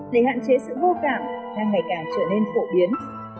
để hạn chế sự vô cảm đang ngày càng trở nên phổ biến